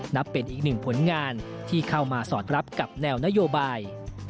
นับเป็นอีกหนึ่งผลงานที่เข้ามาสอดรับกับแนวนโยบาย